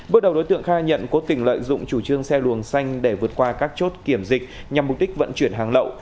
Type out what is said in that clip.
bước đầu đối tượng khai nhận cố tình lợi dụng chủ trương xe luồng xanh để vượt qua các chốt kiểm dịch nhằm mục đích vận chuyển hàng lậu